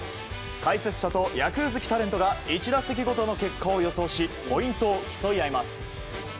解説者と野球好きタレントが１打席ごとの結果を予想しポイントを競い合います。